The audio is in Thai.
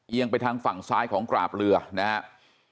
ไปทางฝั่งซ้ายของกราบเรือนะครับ